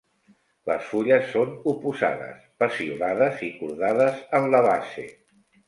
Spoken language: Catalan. Les fulles són oposades, peciolades i cordades en la base.